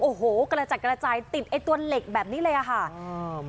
โอ้โหกระจัดกระจายติดไอ้ตัวเหล็กแบบนี้เลยอะค่ะ